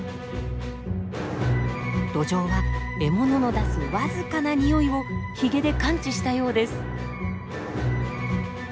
ドジョウは獲物の出す僅かな匂いをヒゲで感知したようです。